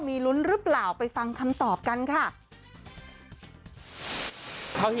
มีลุ้นหรือเปล่าไปฟังคำตอบกันค่ะ